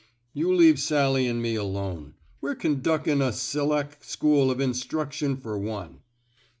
... You leave Sally an' me alone. We're con duckin' a selec' school of instruction fer one."